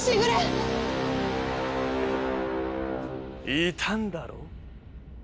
いたんだろ？